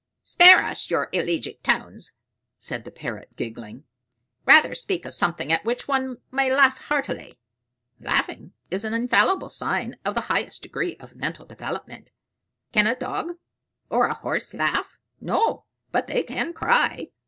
"Spare us your elegiac tones," said the Parrot giggling. "Rather speak of something at which one may laugh heartily. Laughing is an infallible sign of the highest degree of mental development. Can a dog, or a horse laugh? No, but they can cry.